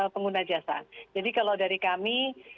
pengguna jasa jadi kalau dari kami